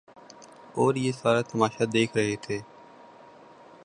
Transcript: اوریہ سارا تماشہ دیکھ رہے تھے۔